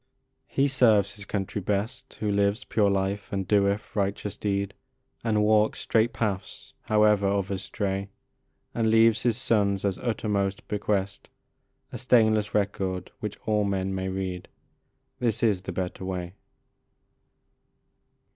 He serves his country best Who lives pure life, and doeth righteous deed, And walks straight paths, however others stray, And leaves his sons as uttermost bequest A stainless record which all men may read : This is the better way.